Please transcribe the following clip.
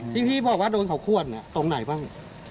ที่พี่บอกว่าโดนเขาขวนตรงไหนบ้าง